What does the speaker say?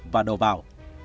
và đồ bảo